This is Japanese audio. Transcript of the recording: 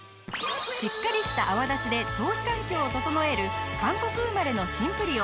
しっかりした泡立ちで頭皮環境を整える韓国生まれのシンプリオ。